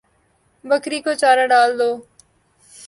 بکری کو چارہ ڈال دو